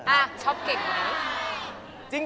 อ้าชอบเก่งไหม